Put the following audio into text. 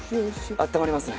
あったまりますね。